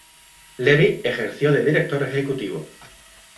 Levy ejerció de director ejecutivo.